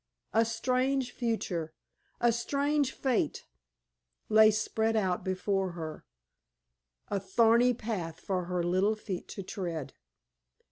A strange future a strange fate lay spread out before her a thorny path for her little feet to tread.